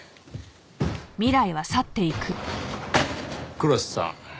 黒瀬さん。